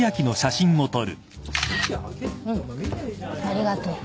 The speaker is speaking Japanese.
ありがとう。